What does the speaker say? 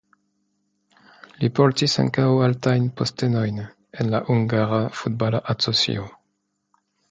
Li portis ankaŭ altajn postenojn en la hungara futbala asocio.